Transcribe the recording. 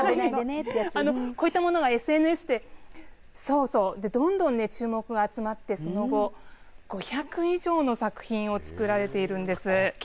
こういった物がＳＮＳでどんどんね、注目が集まってその後、５００以上の作品を作られているんです。